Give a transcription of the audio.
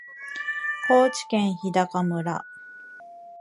高知県日高村